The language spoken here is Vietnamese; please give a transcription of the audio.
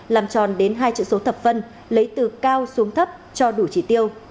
làm tròn đến hai chữ số thập vân lấy từ cao xuống thấp cho đủ chỉ tiêu